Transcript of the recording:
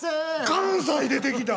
関西出てきた。